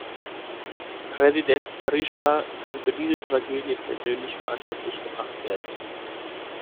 Präsident Berisha kann für diese Tragödie persönlich verantwortlich gemacht werden.